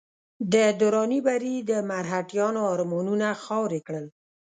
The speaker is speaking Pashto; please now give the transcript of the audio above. د دراني بري د مرهټیانو ارمانونه خاورې کړل.